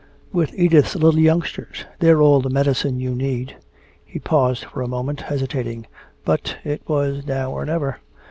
"With Edith's little youngsters. They're all the medicine you need." He paused for a moment, hesitating. But it was now or never.